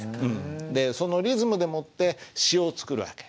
そのリズムでもって詩を作る訳。